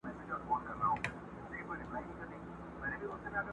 توبې راڅخه تښته چي موسم دی د ګلونو٫